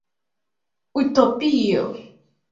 Utopio!